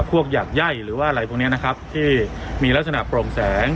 หยาดไย่หรือว่าอะไรพวกนี้นะครับที่มีลักษณะโปร่งแสง